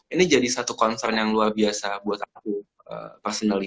ini jadi satu concern yang luar biasa buat aku personally